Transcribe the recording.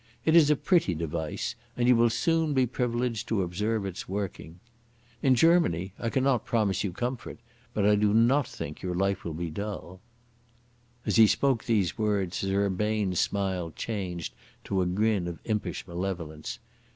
It is a pretty device, and you will soon be privileged to observe its working.... In Germany I cannot promise you comfort, but I do not think your life will be dull." As he spoke these words, his urbane smile changed to a grin of impish malevolence.